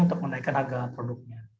untuk menaikkan harga produknya